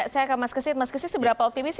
saya ke mas kesi mas kesi seberapa optimis